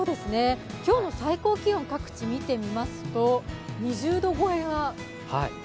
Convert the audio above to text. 今日の最高気温、各地見てみますと、２０度超えが目立ちますね。